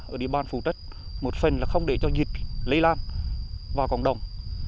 ở địa bàn phù trách một phần là không để cho dịch lây lan vào cộng đồng